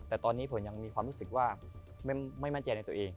แต่ตอนนี้ผมยังมีความรู้สึกว่าไม่มั่นใจในตัวเอง